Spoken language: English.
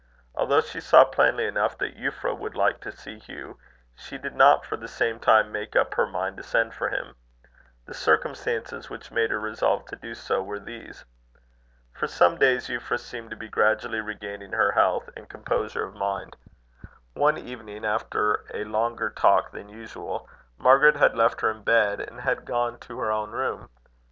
Although she saw plainly enough that Euphra would like to see Hugh, she did not for some time make up her mind to send for him. The circumstances which made her resolve to do so were these. For some days Euphra seemed to be gradually regaining her health and composure of mind. One evening, after a longer talk than usual, Margaret had left her in bed, and had gone to her own room.